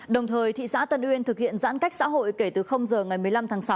đồng thời thị xã tân uyên thực hiện giãn cách xã hội kể từ giờ ngày một mươi năm tháng sáu